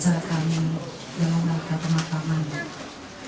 dalam angka pemakaman dari kemakaman suku baka adalah sedikit